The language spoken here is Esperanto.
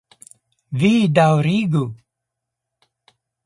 vi daŭrigu!